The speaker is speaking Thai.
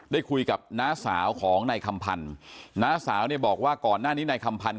ได้คุยกับน้าสาวของในคำพันธุ์น้าสาวบอกว่าก่อนหน้านี้ในคำพันธุ์